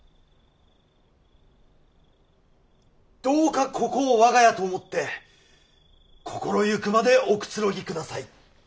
どうかここを我が家と思って心行くまでおくつろぎください。